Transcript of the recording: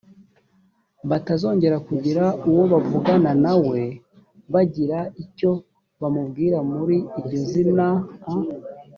batazongera kugira uwo bavugana na we bagira icyo bamubwira muri iryo zina a